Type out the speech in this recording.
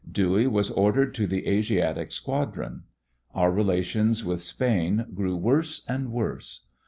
Dewey was ordered to the Asiatic Squadron. Our relations with Spain grew worse and worse.